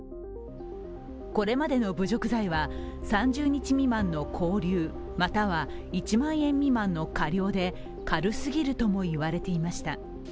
これまでの侮辱罪は、３０日未満の拘留、または１万円未満の科料で軽すぎるとも言われていました。